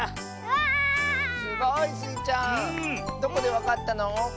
どこでわかったの？